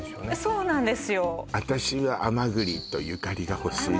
そうなんです